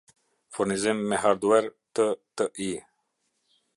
Furnizim me harduer te Ti